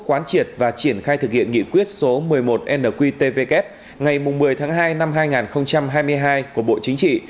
quán triệt và triển khai thực hiện nghị quyết số một mươi một nqtvk ngày một mươi tháng hai năm hai nghìn hai mươi hai của bộ chính trị